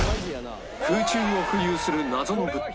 空中を浮遊する謎の物体